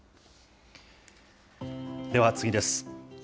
では次です。